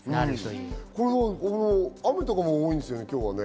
雨とかも多いんですよね、今日は。